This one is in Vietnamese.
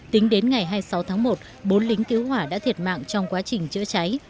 tính đến ngày hai mươi sáu tháng một bốn lính cứu hỏa đã thiệt mạng trong quá trình chữa cháy